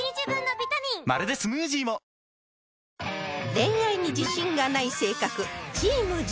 恋愛に自信がない性格チームＧ